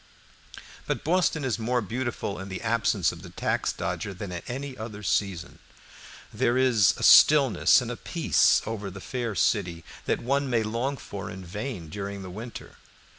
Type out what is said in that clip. But Boston is more beautiful in the absence of the "tax dodger" than at any other season. There is a stillness and a peace over the fair city that one may long for in vain during the winter.